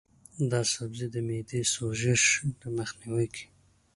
دا سبزی د معدې د سوزش مخنیوی کوي.